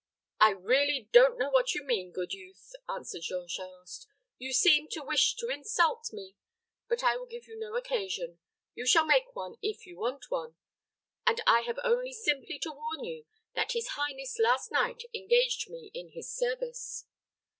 "I really don't know what you mean, good youth," answered Jean Charost. "You seem to wish to insult me. But I will give you no occasion. You shall make one, if you want one; and I have only simply to warn you that his highness last night engaged me in his service."